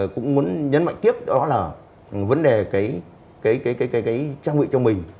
cũng muốn nhấn mạnh tiếp đó là vấn đề trang bị cho mình